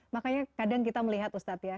makanya kadang kita melihat ustadz ya